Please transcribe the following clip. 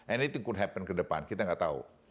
anything could happen ke depan kita tidak tahu